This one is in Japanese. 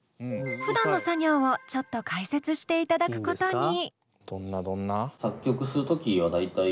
ふだんの作業をちょっと解説していただくことに。